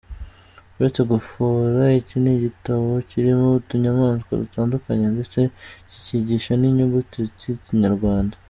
Uretse gufora, iki ni igitabo kirimo utunyamaswa dutandukanye, ndetse kikigisha n’inyuguti z’ikinyarwanda.